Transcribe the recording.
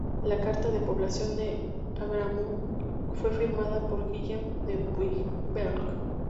La carta de población de Agramunt fue firmada por Guillem de Puigvert.